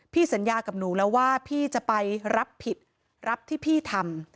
สัญญากับหนูแล้วว่าพี่จะไปรับผิดรับที่พี่ทำ